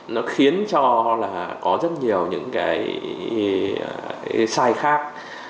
nó khiến cho là có rất nhiều những cái sai khác